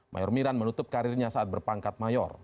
mayor miran menutup karirnya saat berpangkat mayor